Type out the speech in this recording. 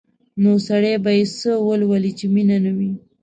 نو سړی به یې څه ولولي چې مینه نه وي؟